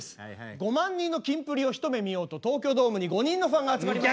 ５万人のキンプリを一目見ようと東京ドームに５人のファンが集まりました。